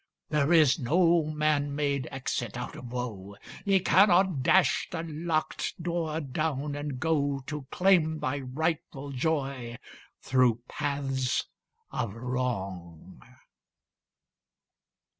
There is no man made exit out of woe; Ye cannot dash the locked door down and go To claim thy rightful joy through paths of wrong."